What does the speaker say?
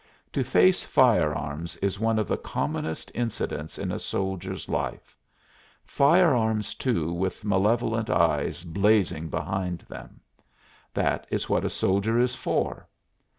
To face firearms is one of the commonest incidents in a soldier's life firearms, too, with malevolent eyes blazing behind them. That is what a soldier is for.